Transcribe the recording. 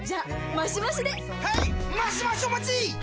マシマシお待ちっ！！